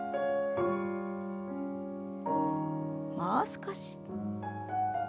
もう少し。